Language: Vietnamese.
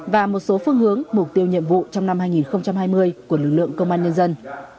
và một số phương hướng mục tiêu nhiệm vụ trong năm hai nghìn hai mươi của lực lượng công an nhân dân